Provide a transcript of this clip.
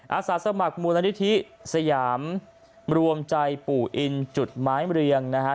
อาสาสมัครมูลนิธิสยามรวมใจปู่อินจุดไม้เรียงนะฮะ